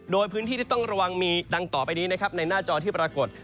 โดยพื้นที่ที่ต้องระวังมีดังต่อไปนี้นะครับในหน้าจอที่ปรากฏ